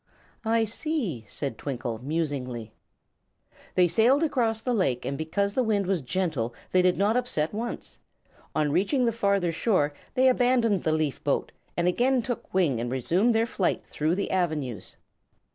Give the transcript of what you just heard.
"I see," said Twinkle, musingly. They sailed way across the lake, and because the wind was gentle they did not upset once. On reaching the farther shore they abandoned the leaf boat and again took wing and resumed their flight through the avenues.